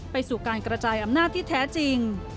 ไปสู่การกระจายอำนาจที่แท้จริง